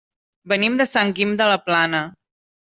Venim de Sant Guim de la Plana.